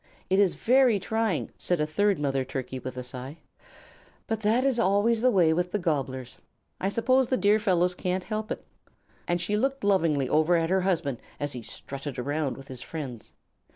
"It is very trying," said a third mother Turkey with a sigh; "but that is always the way with the Gobblers. I suppose the dear fellows can't help it;" and she looked lovingly over at her husband as he strutted around with his friends.